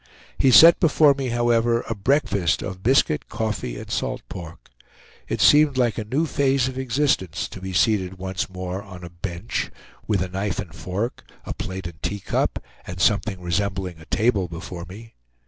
He set before me, however, a breakfast of biscuit, coffee, and salt pork. It seemed like a new phase of existence, to be seated once more on a bench, with a knife and fork, a plate and teacup, and something resembling a table before me.